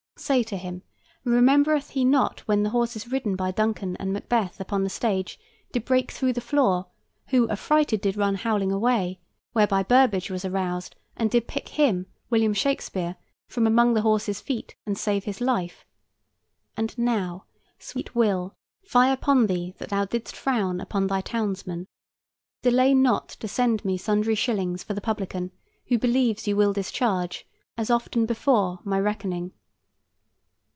Say to him, remembereth he not when the horses ridden by Duncan and Macbeth upon the stage did break through the floor, who, affrighted, did run howling away, whereby Burbage was aroused and did pick him, William Shakespeare, from among the horses' feet and save his life? And now, sweet Will, fie upon thee that thou didst frown upon thy townsman. Delay not to send me sundry shillings for the publican, who believes you will discharge, as often before, my reckoning.